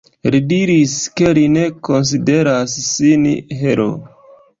Li diris, ke li ne konsideras sin heroo.